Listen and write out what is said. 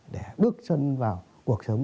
để bước chân vào cuộc sống